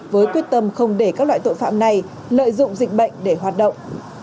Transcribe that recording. với quyết tâm không để các loại tội phạm này lợi dụng dịch bệnh để hoạt động